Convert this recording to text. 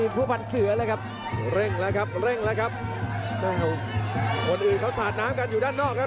คนอื่นเขาสาดน้ำกันอยู่ด้านนอกครับ